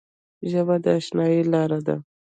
ژبه د اشنايي لاره ده